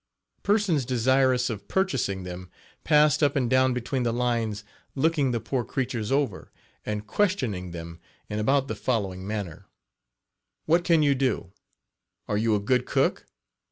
Persons desirous of purchasing them passed up and down between the lines looking the poor creatures over, and questioning them in about the following manner: "What can you do?" "Are you a good cook?